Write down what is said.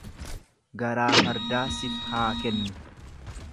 Garaa fardaa sif haa kennu.